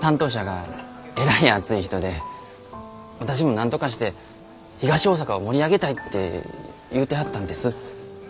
私もなんとかして東大阪を盛り上げたいって言うてはったんです。